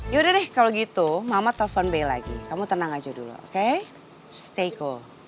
yaudah deh kalau gitu mama telepon b lagi kamu tenang aja dulu oke stayko